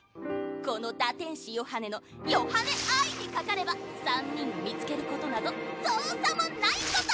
この堕天使ヨハネのヨハネアイにかかれば３人を見つけることなど造作もないこと！